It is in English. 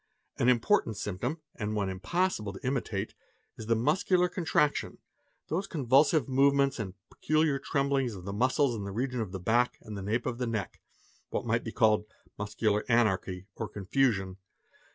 An important symptom and one impossible to imitate is the muscular contraction, those convulsive movements and peculiar tremblings of the muscles in the region of the back and the nape of the neck ; what might be called "muscular anarchy," or confusion.